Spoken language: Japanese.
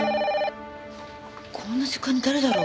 こんな時間に誰だろう？